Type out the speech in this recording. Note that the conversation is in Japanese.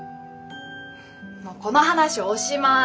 もうこの話おしまい。